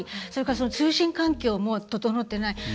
それから通信環境も整っていない。